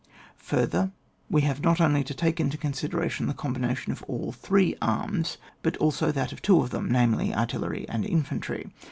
Further, we have not only to take into consideration the combination of all three arms, but also that of two of them — namely, artillery and infantry.